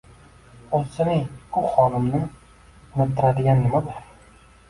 O'zining u xonimni unuttiradigan nima bor?